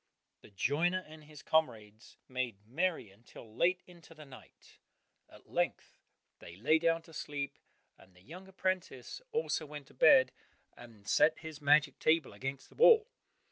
The joiner and his comrades made merry until late into the night; at length they lay down to sleep, and the young apprentice also went to bed, and set his magic table against the wall.